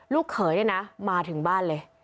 เขยเนี่ยนะมาถึงบ้านเลย